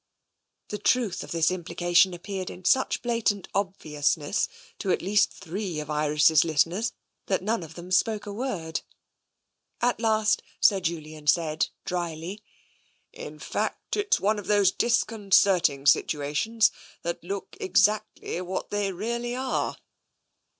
The truth of this implication appeared in such bla tant obviousness to at least three of Iris' listeners that none of them spoke a word. At last Sir Julian said drily: " In fact, it's one of those disconcerting situations that look exactly what they really are."